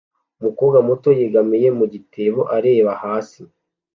Umukobwa muto yegamiye mu gitebo areba hasi